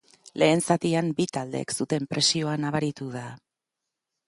Lehen zatian bi taldeek zuten presioa nabaritu da.